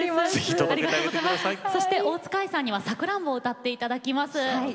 大塚さんには「さくらんぼ」を歌っていただきます。